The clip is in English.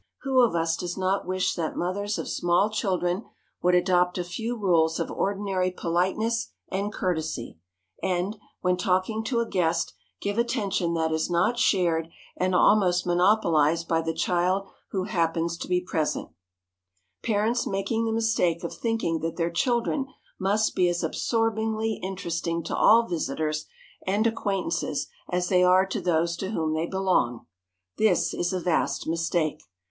Who of us does not wish that mothers of small children would adopt a few rules of ordinary politeness and courtesy, and, when talking to a guest, give attention that is not shared and almost monopolized by the child who happens to be present? [Sidenote: THE SMALL BOY] Parents make the mistake of thinking that their children must be as absorbingly interesting to all visitors and acquaintances as they are to those to whom they belong. This is a vast mistake.